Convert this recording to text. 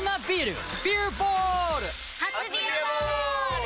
初「ビアボール」！